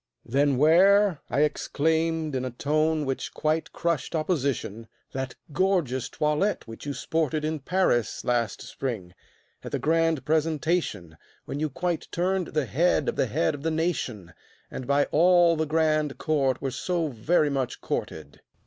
"Then wear," I exclaimed, in a tone which quite crushed Opposition, "that gorgeous toilette which you sported In Paris last spring, at the grand presentation, When you quite turned the head of the head of the nation, And by all the grand court were so very much courted."